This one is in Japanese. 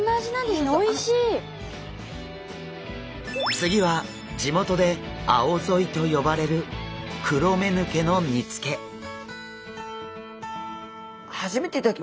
次は地元であおぞいと呼ばれる初めて頂きます。